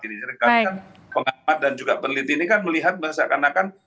karena kan pengamat dan juga peneliti ini kan melihat seakan akan